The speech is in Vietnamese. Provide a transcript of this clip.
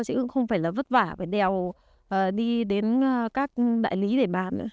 chứ cũng không phải là vất vả phải đèo đi đến các đại lý để bán nữa